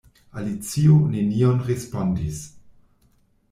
Alicio nenion respondis.